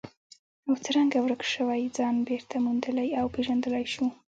او څرنګه ورک شوی ځان بېرته موندلی او پېژندلی شو.